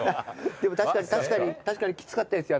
でも確かにきつかったですよ